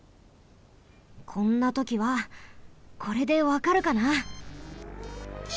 こんなときはこれでわかるかな？